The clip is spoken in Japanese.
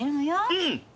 うん。